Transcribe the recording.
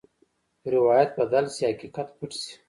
روایت بدل شي، حقیقت پټ شي.